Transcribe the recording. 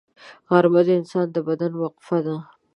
غرمه د انسان د بدن وقفه ده